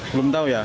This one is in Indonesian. belum tahu ya